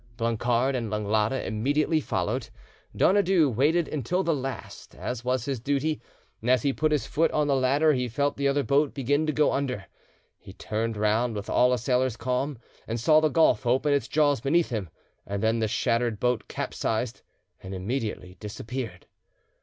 Blancard and Langlade immediately followed. Donadieu waited until the last, as was his duty, and as he put his foot on the ladder he felt the other boat begin to go under; he turned round with all a sailor's calm, and saw the gulf open its jaws beneath him, and then the shattered boat capsized, and immediately disappeared.